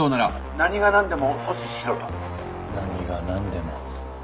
何がなんでも。